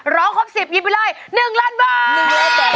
ร้องครบ๑๐ยิ้มไปเลย๑ล้านบาท